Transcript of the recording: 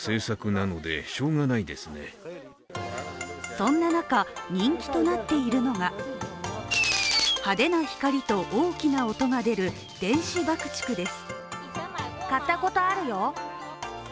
そんな中、人気となっているのが派手な光と大きな音が出る電子爆竹です。